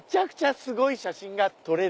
すごい写真が撮れる？